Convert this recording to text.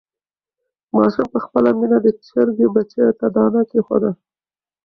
ماشوم په خپله مینه د چرګې بچیو ته دانه کېښوده.